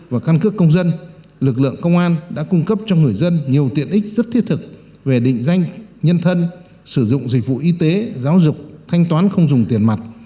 và căn cước công dân lực lượng công an đã cung cấp cho người dân nhiều tiện ích rất thiết thực về định danh nhân thân sử dụng dịch vụ y tế giáo dục thanh toán không dùng tiền mặt